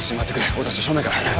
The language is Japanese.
俺たちは正面から入る。